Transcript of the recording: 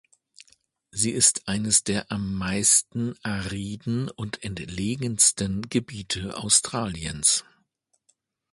Sie ist eines der am meisten ariden und entlegensten Gebiete Australiens.